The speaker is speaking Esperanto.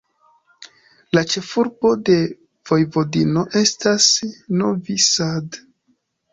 La ĉefurbo de Vojvodino estas Novi Sad.